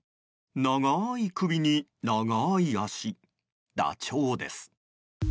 長い首に長い脚、ダチョウです。